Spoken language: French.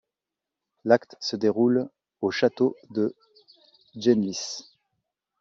L'acte se déroule au château de Genlis.